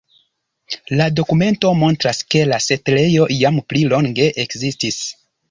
La dokumento montras, ke la setlejo jam pli longe ekzistis.